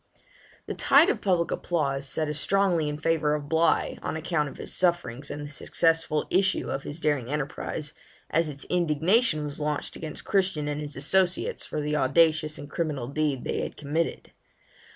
The tide of public applause set as strongly in favour of Bligh, on account of his sufferings and the successful issue of his daring enterprise, as its indignation was launched against Christian and his associates, for the audacious and criminal deed they had committed.